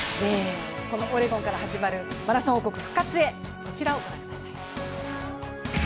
このオレゴンから始まるマラソン王国復活へ、こちらを御覧ください。